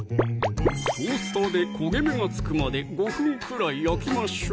トースターで焦げ目がつくまで５分くらい焼きましょう！